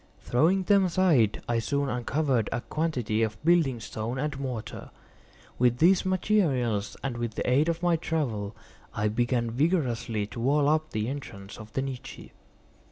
Throwing them aside, I soon uncovered a quantity of building stone and mortar. With these materials and with the aid of my trowel, I began vigorously to wall up the entrance of the niche.